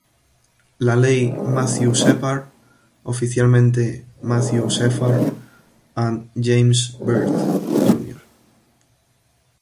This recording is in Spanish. La ley Matthew Shepard, oficialmente Matthew Shepard and James Byrd, Jr.